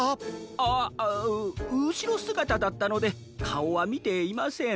あううしろすがただったのでかおはみていません。